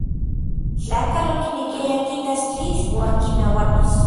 Tlakatl okinekiaya kitas tlitl uan kinauatis.